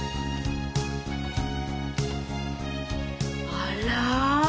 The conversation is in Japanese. あら？